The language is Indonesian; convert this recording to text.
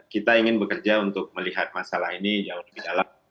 kita ingin bekerja untuk melihat masalah ini jauh lebih dalam